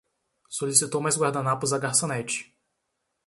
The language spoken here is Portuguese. Solicitou mais guardanapos à garçonete